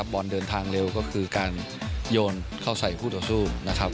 บอลเดินทางเร็วก็คือการโยนเข้าใส่ผู้ต่อชู้